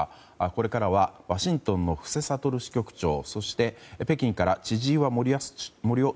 これからはワシントンの布施哲支局長そして北京から千々岩森生